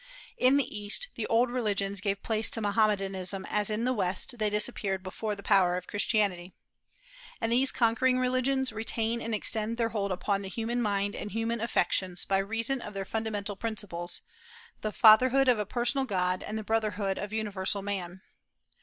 In the East the old religions gave place to Mohamedanism, as in the West they disappeared before the power of Christianity. And these conquering religions retain and extend their hold upon the human mind and human affections by reason of their fundamental principles, the fatherhood of a personal God, and the brotherhood of universal man.